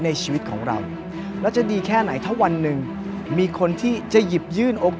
สนุนโดยสถาบันความงามโย